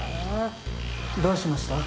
どうしました？